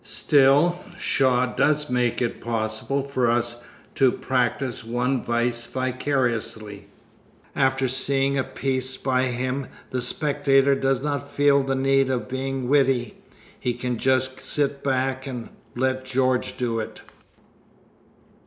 Still, Shaw does make it possible for us to practice one vice vicariously. After seeing a piece by him the spectator does not feel the need of being witty. He can just sit back and let George do it.